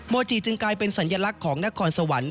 จิจึงกลายเป็นสัญลักษณ์ของนครสวรรค์